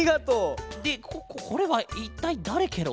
でここれはいったいだれケロ？